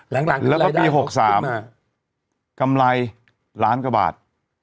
แล้วก็ปี๖๓กำไรล้านกว่าบาท